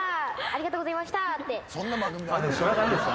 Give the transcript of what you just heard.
ありがとうございましたって。